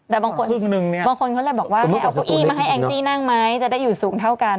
แต่บางคนเขาแบบบอกว่าเอาคุยมาให้แองจี้นั่งไหมจะได้อยู่สูงเท่ากัน